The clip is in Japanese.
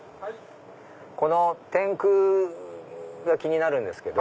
この天空が気になるんですけど。